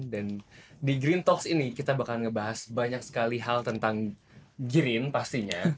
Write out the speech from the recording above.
di green talks ini kita bakal ngebahas banyak sekali hal tentang green pastinya